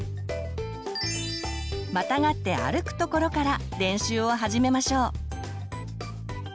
またがって歩くところから練習を始めましょう。